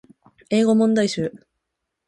英語問題集